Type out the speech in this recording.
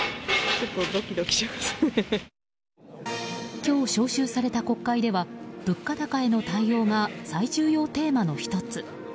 今日、召集された国会では物価高への対応が最重要テーマの１つ。